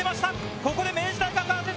ここで明治大学が出た！